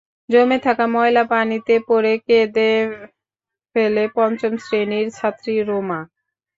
জমে থাকা ময়লা পানিতে পড়ে কেঁদে ফেলে পঞ্চম শ্রেণির ছাত্রী রুমা।